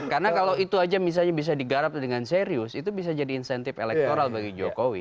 karena kalau itu aja misalnya bisa digarap dengan serius itu bisa jadi insentif elektoral bagi jokowi